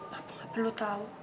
papa nggak perlu tahu